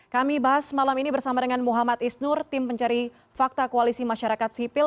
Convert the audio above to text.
kami bahas malam ini bersama dengan muhammad isnur tim pencari fakta koalisi masyarakat sipil